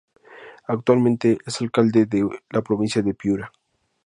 Actualmente es alcalde de la provincia de Piura.